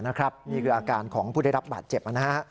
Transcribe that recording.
นี่คืออาการของผู้ได้รับบาดเจ็บนะฮะ